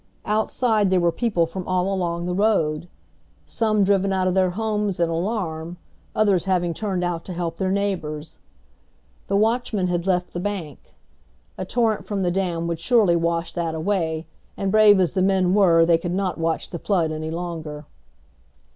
Outside there were people from all along the road. Some driven out of their homes in alarm, others having turned out to help their neighbors. The watchmen had left the bank. A torrent from the dam would surely wash that away, and brave as the men were they could not watch the flood any longer.